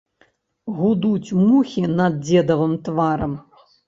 Гудуць мухі над дзедавым тварам.